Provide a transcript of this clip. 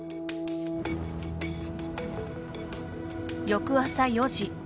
翌朝４時。